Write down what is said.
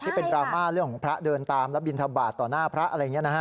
ที่เป็นกรามาต์เรื่องพระเดินตามรับอินทบาทต่อหน้าพระอะไรอย่างนี้นะฮะ